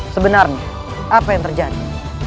sebenarnya apa yang terjadi